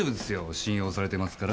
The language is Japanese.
信用されてますから。